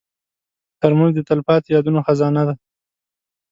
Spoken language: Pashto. ترموز د تلپاتې یادونو خزانه ده.